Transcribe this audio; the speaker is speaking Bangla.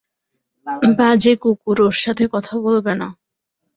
বাজে কুকুর, ওর সাথে কথা বলবে না!